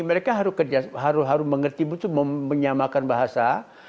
mereka harus mengerti betul menyamakan bahasa